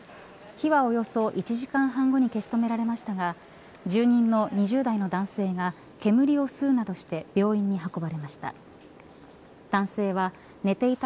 火はおよそ１時間半後に消し止められましたが住人の２０代の男性が煙を吸うなどして病院に運ばれました。